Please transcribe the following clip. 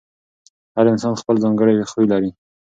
هر انسان خپل ځانګړی خوی لري.